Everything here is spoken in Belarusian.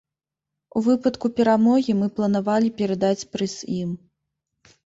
У выпадку перамогі мы планавалі перадаць прыз ім.